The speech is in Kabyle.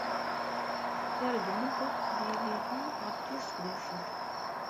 Iṛeggem-d ad yili da ɣef tis sḍiset.